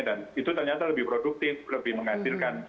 dan itu ternyata lebih produktif lebih menghasilkan